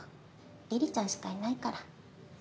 梨々ちゃんしかいないから。